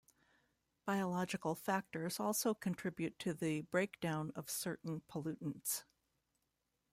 Biological factors also contribute to the breakdown of certain pollutants.